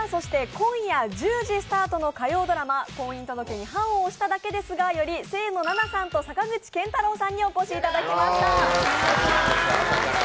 今夜１０時スタートの火曜ドラマ「婚姻届に判を捺しただけですが」より清野菜名さんと坂口健太郎さんにお越しいただきました。